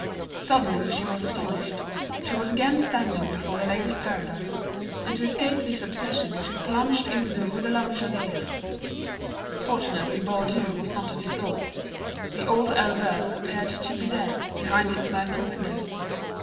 Suddenly she was astonished, she was again standing before The Ladies' Paradise; and to escape this obsession she plunged into the Rue de la Michodière. Fortunately Baudu was not at his door. The Old Elbeuf appeared to be dead, behind its murky windows.